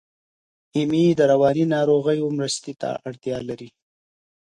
ایمي د رواني روغتیا لپاره مرستې ته اړتیا لري.